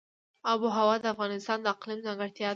آب وهوا د افغانستان د اقلیم ځانګړتیا ده.